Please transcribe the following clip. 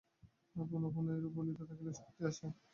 পুনঃপুন এইরূপ বলিতে থাকিলে শক্তি আসে।